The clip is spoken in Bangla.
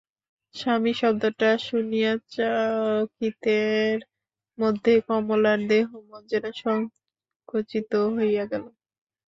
স্বামী শব্দটা শুনিয়া চকিতের মধ্যে কমলার দেহমন যেন সংকুচিত হইয়া গেল।